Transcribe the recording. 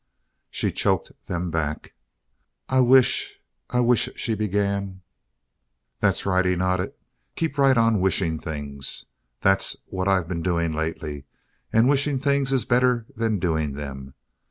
She choked them back. "I wish I wish " she began. "That's right," he nodded. "Keep right on wishing things. That's what I been doing lately. And wishing things is better than doing them.